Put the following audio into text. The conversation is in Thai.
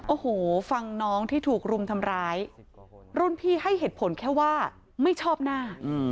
โอ้โหฟังน้องที่ถูกรุมทำร้ายรุ่นพี่ให้เหตุผลแค่ว่าไม่ชอบหน้า